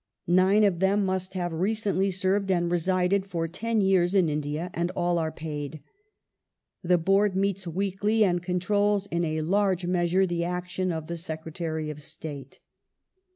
Nine of them must have recently served and resided for ten years in India, and all are paid. The Board meets weekly, and controls, in a large measure, the action of the Secretary of State.